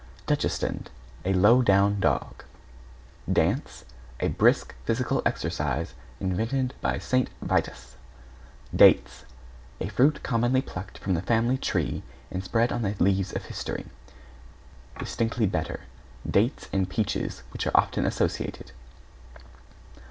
=DACHSHUND= A low down dog. =DANCE= A brisk, physical exercise, invented by St. Vitus. =DATES= A fruit commonly plucked from the Family Tree and spread on the leaves of history. (Dist. bet. Dates and Peaches, which are often associated).